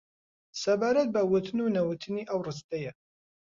سەبارەت بە وتن و نەوتنی ئەو ڕستەیە